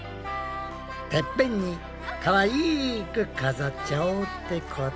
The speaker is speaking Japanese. てっぺんにかわいく飾っちゃおうってことだな。